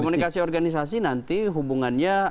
komunikasi organisasi nanti hubungannya